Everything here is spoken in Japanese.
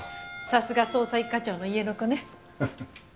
さすが捜査一課長の家の子ね。